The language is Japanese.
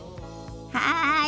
はい！